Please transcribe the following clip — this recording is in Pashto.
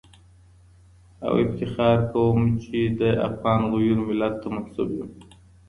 او افتخار کوم چي د افغان غیور ملت ته منسوب یم